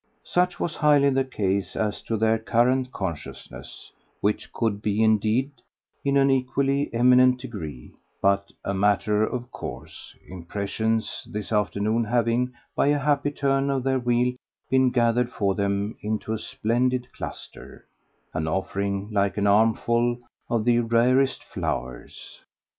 Such was highly the case as to their current consciousness which could be indeed, in an equally eminent degree, but a matter of course; impressions this afternoon having by a happy turn of their wheel been gathered for them into a splendid cluster, an offering like an armful of the rarest flowers.